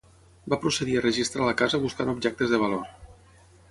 Va procedir a registrar la casa buscant objectes de valor.